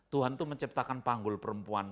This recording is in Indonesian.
tuhan itu menciptakan panggul perempuan